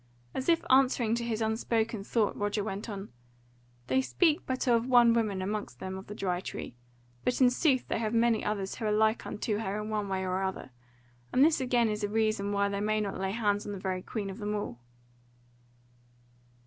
As if answering to his unspoken thought, Roger went on: "They speak but of one woman amongst them of the Dry Tree, but in sooth they have many others who are like unto her in one way or other; and this again is a reason why they may not lay hands on the very Queen of them all."